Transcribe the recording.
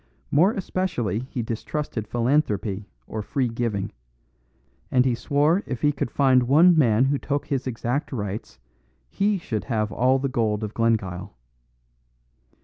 More especially he distrusted philanthropy or free giving; and he swore if he could find one man who took his exact rights he should have all the gold of Glengyle.